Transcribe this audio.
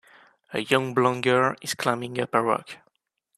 A young blond girl is climbing up a rock.